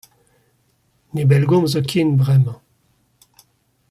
Ne bellgomzo ken bremañ.